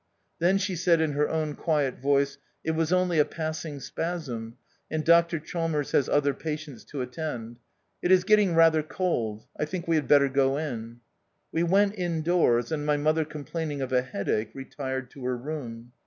Then she said in her own quiet voice, "It was only a passing spasm, and Dr Chalmers has other patients to attend. It is getting rather cold ; I think we had better go in." We went indoors, and my mother com plaining of a headache, retired to her room.